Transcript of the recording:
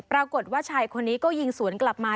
ปรากฏว่าชายคนนี้ก็ยิงสวนกลับมา